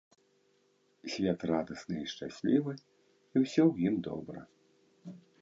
Свет радасны і шчаслівы, і ўсё ў ім добра.